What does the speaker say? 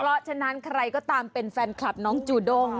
เพราะฉะนั้นใครก็ตามเป็นแฟนคลับน้องจูด้ง